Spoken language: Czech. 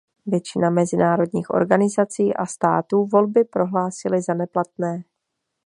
Většina mezinárodních organizací a států volby prohlásily za neplatné.